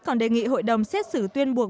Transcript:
còn đề nghị hội đồng xét xử tuyên buộc